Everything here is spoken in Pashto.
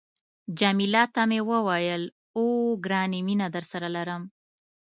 جميله ته مې وویل، اوه، ګرانې مینه درسره لرم.